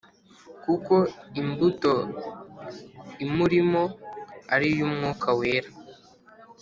kuko imbuto imurimo ari iy’Umwuka Wera.